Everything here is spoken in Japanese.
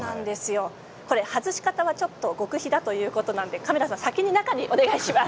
外し方は極秘だということでカメラさん先に中にお願いします。